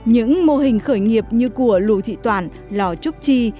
những mô hình khởi nghiệp như của lù thị toản lò trúc chi